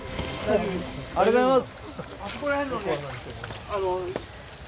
ありがとうございます。